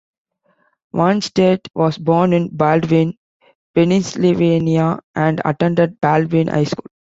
Wannstedt was born in Baldwin, Pennsylvania and attended Baldwin High School.